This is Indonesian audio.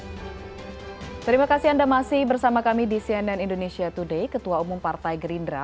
terima kasih anda masih bersama kami di cnn indonesia today ketua umum partai gerindra